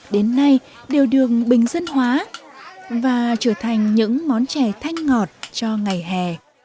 đến nay đều được bình dân hóa và trở thành những món chè thanh ngọt cho ngày hè